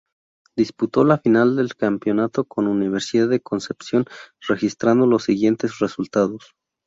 Disputó la final del campeonato con Universidad de Concepción, registrando los siguientes resultados.